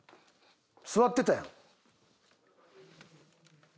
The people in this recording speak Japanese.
座ってたやん。